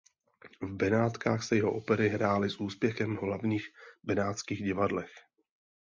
V Benátkách se jeho opery hrály s úspěchem v hlavních benátských divadlech.